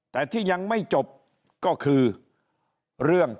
แต่ที่ยังไม่จบก็คือ